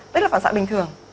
đấy là phản xạ bình thường